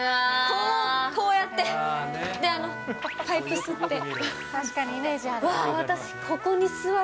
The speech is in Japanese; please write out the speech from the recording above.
こうやって、で、パイプ吸っ確かにイメージある。